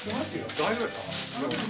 大丈夫ですか？